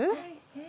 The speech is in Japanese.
え。